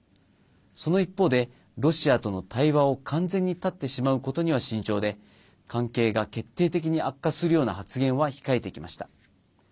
その一方で、ロシアとの対話を完全に断ってしまうことには慎重で関係が決定的に悪化するような発言は控えてきました。